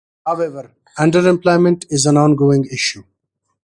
However, underemployment is an ongoing issue.